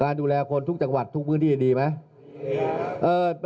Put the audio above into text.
ดูแลคนทุกจังหวัดทุกพื้นที่ดีไหม